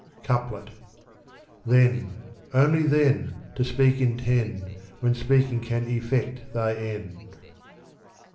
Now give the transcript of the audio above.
Then, only then, to speak intend When speaking can effect thy end.